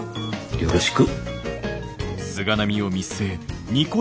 よろしく。